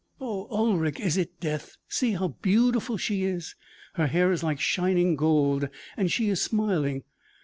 Oh, Ulric, is it death? See, how beautiful she is! Her hair is like shining gold, and she is smiling!